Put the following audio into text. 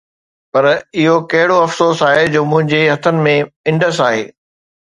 پر اهو ڪهڙو افسوس آهي جو منهنجي هٿن ۾ انڊس آهي